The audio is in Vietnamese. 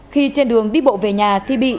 khi trên đường đi bộ về nhà thì bị